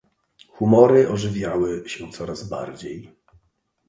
"Humory ożywiały się coraz bardziej."